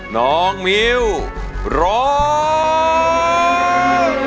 น้องมิวร้อง